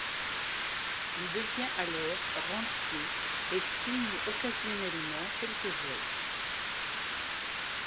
Il devient alors rentier et signe occasionnellement quelques œuvres.